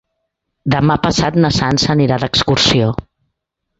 Demà passat na Sança anirà d'excursió.